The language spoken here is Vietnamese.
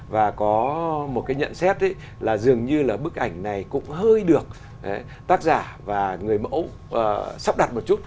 và có một cái nhận xét là dường như là bức ảnh này cũng hơi được tác giả và người mẫu sắp đặt một chút